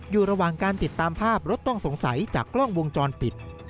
อยู่ระหว่างการติดตามภาพรถต้องสงสัยจากกล้องวงจรปิด